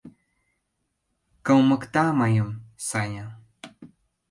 — Кылмыкта мыйым, Саня...